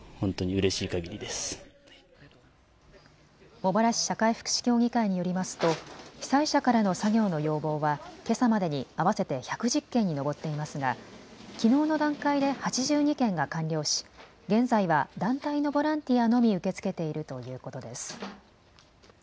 茂原市社会福祉協議会によりますと被災者からの作業の要望はけさまでに合わせて１１０件に上っていますがきのうの段階で８２件が完了し現在は団体のボランティアのみ受け付けているということです。